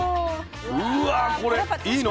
うわこれいいの？